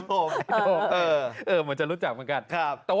ผมเหมือนจะรู้จักเหมือนกัน